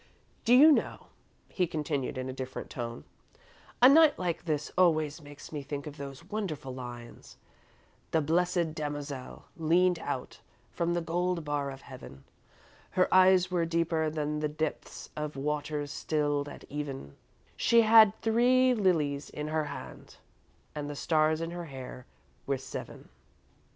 Do you know," he continued, in a different tone, "a night like this always makes me think of those wonderful lines: "'The blessed damozel leaned out From the gold bar of Heaven; Her eyes were deeper than the depth Of waters stilled at even; She had three lilies in her hand And the stars in her hair were seven.'"